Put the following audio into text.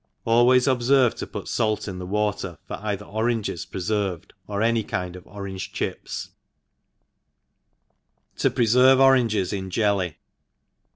—Always obferve to put fait in the water fop cither oranges prefcrved, or any kind of orangQ^ chips* ^0 prs/erve Ok AyiGZ^h Jklly.